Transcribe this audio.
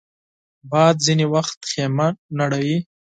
باد ځینې وخت خېمه نړوي